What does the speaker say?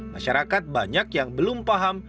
masyarakat banyak yang belum paham